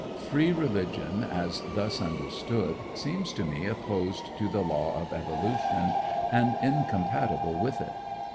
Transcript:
Free Religion, as thus understood, seems to me opposed to the law of evolution, and incompatible with it.